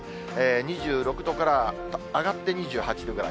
２６度から上がって２８度ぐらい。